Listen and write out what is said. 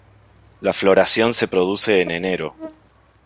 La floración se produce en enero.